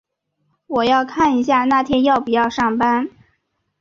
我要看一下那天要不要上班。